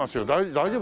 大丈夫。